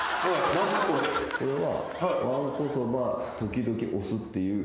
これは。